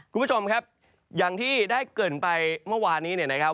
คุณผู้ชมครับอย่างที่ได้เกิดไปเมื่อวานนี้เนี่ยนะครับ